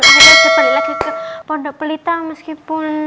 ada kembali lagi ke pondok pelita meskipun